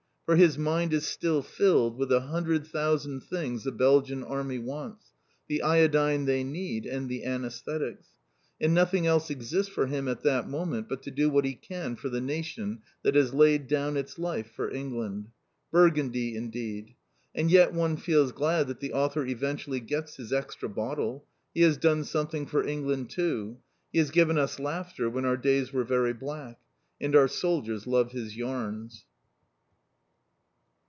For his mind is still filled with a hundred thousand things the Belgian Army want, the iodine they need, and the anæsthetics. And nothing else exists for him at that moment but to do what he can for the nation that has laid down its life for England. Burgundy, indeed! And yet one feels glad that the author eventually gets his extra bottle. He has done something for England too. He has given us laughter when our days were very black. And our soldiers love his yarns!